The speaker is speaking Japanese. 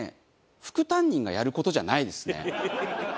副担任がやる事じゃないですね。